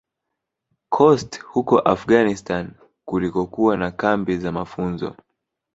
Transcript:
Khost huko Afghanistan kulikokuwa na kambi za mafunzo